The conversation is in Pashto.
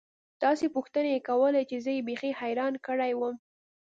داسې پوښتنې يې کولې چې زه يې بيخي حيران کړى وم.